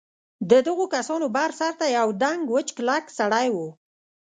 د دغو کسانو بر سر ته یوه دنګ وچ کلک سړي و.